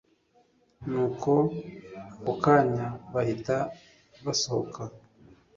Nuko ako kanya bahita basohoka